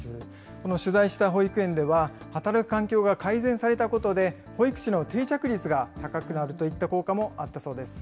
この取材した保育園では、働く環境が改善されたことで、保育士の定着率が高くなるといった効果もあったそうです。